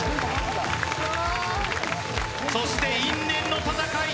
そして因縁の戦い